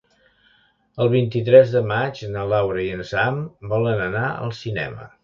El vint-i-tres de maig na Laura i en Sam volen anar al cinema.